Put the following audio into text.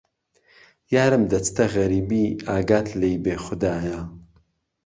یارم دهچته غهریبی ئاگات لێی بێ خودایا